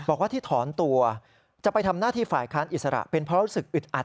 บอกว่าที่ถอนตัวจะไปทำหน้าที่ฝ่ายค้านอิสระเป็นเพราะรู้สึกอึดอัด